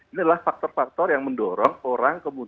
ini adalah faktor faktor yang mendorong orang kemudian